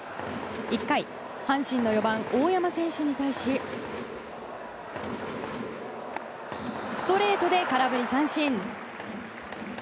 １回、阪神の４番大山選手に対しストレートで空振り三振。